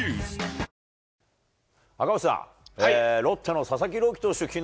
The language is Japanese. ロッテの佐々木朗希投手